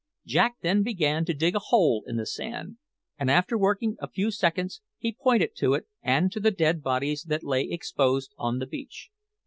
Jack then began to dig a hole in the sand, and after working a few seconds, he pointed to it and to the dead bodies that lay exposed on the beach.